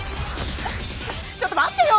ちょっと待ってよ！